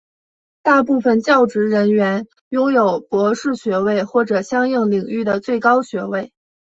大部分教职人员拥有博士学位或者相应领域的最高学位。